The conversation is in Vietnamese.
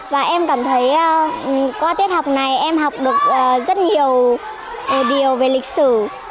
và em cảm thấy qua tiết học này em học được rất nhiều điều về lịch sử